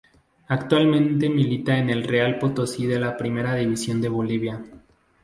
Actualmente milita en el Real Potosí de la Primera División de Bolivia.